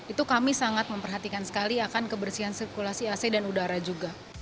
itu kami sangat memperhatikan sekali akan kebersihan sirkulasi ac dan udara juga